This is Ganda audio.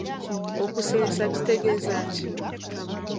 Okuseesa kitegeeza ki?